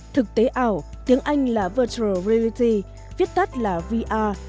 thực tế ảo tiếng anh là virtual reality viết tắt là vr